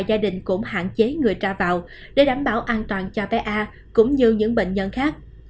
gia đình cũng hạn chế người ra vào để đảm bảo an toàn cho bé a cũng như những bệnh nhân khác